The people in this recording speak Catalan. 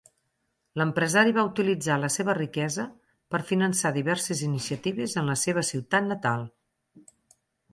L'empresari va utilitzar la seva riquesa per finançar diverses iniciatives en la seva ciutat natal.